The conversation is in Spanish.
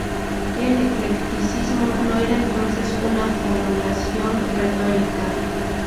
En eclecticismo no era entonces una formulación retórica.